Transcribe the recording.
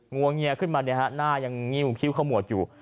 วงเงียขึ้นมาหน้ายังงิ้วคิ้วขมวดอยู่